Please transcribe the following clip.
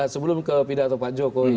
sebelum ke pidato pak jokowi